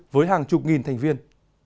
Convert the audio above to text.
với hàng chục nghìn thành viên